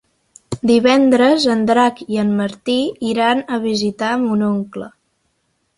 Divendres en Drac i en Martí iran a visitar mon oncle.